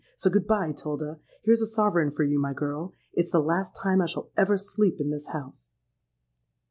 So good bye, 'Tilda. Here's a sovereign for you, my girl. It's the last time I shall ever sleep in this house.'